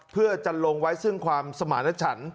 เพื่อจะลงไว้ซึ่งความสมาณฉัน